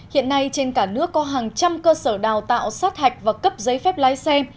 hiện nay trên cả nước có hàng trăm cơ sở đào tạo sát hạch và cấp giấy phép lái xe